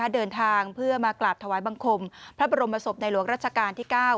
เดินทางเพื่อมากราบถวายบังคมพระบรมศพในหลวงรัชกาลที่๙